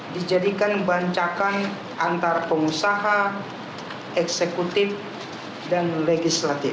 dijadikan bancakan antar pengusaha eksekutif dan legislatif